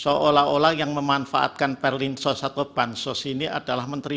seolah olah yang memanfaatkan perlinsos atau bansos ini adalah menteri